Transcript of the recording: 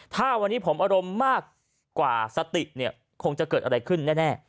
ถ้าวันนี้ผมอารมณ์มากกว่าสติเนี่ยคงจะเกิดอะไรขึ้นแน่